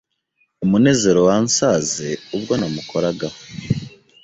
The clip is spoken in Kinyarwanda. Umunezero wansaze ubwo namukoragaho